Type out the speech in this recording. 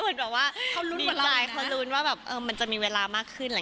เหมือนบอกว่าเขารุ่นค่ะเขารุ่นว่ามันจะมีเวลามากขึ้น